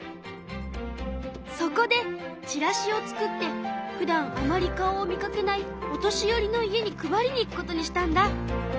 そこでチラシを作ってふだんあまり顔を見かけないお年寄りの家に配りに行くことにしたんだ。